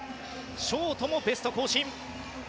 ショートもベスト更新。